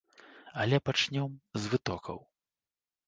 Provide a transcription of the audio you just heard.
Але пачнём з вытокаў.